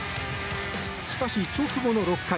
しかし、直後の６回。